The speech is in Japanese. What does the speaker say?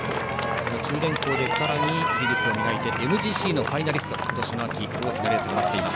その中電工でさらに技術を磨いてＭＧＣのファイナリストに今年の秋になっています。